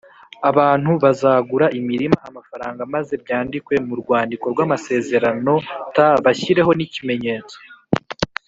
Abantu bazagura imirima amafaranga maze byandikwe mu rwandiko rw amasezerano t bashyireho n ikimenyetso